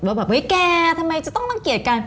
ว่าแบบเฮ้ยแกทำไมจะต้องรังเกียจกัน